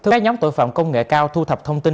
các nhóm tội phạm công nghệ cao thu thập thông tin